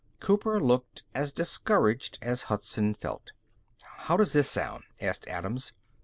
Cooper looked as discouraged as Hudson felt. "How does this sound?" asked Adams.